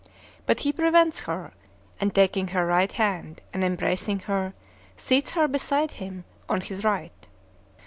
But he prevents her; and taking her right hand, and embracing her, seats her beside him, on his right.